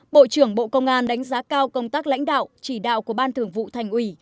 bộ trưởng bộ công an đánh giá cao công tác lãnh đạo chỉ đạo của ban thường vụ thành ủy